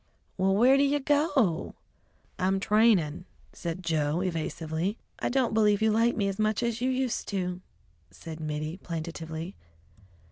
"Well, where do you go?" "I'm trainin'," said Joe evasively. "I don't believe you like me as much as you used to," said Mittie plaintively.